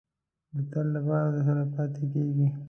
د تل لپاره درسره پاتې کېږي.